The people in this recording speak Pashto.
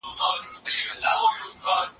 زه به سبا ږغ واورم!؟